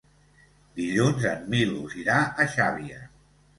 Dilluns en Milos irà a Xàbia.